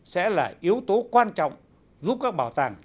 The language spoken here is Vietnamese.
sẽ là yếu tố quan trọng giúp các bảo tàng